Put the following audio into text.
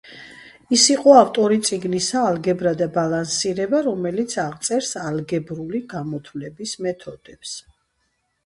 ის იყო ავტორი წიგნისა „ალგებრა და ბალანსირება“, რომელიც აღწერს ალგებრული გამოთვლების მეთოდებს.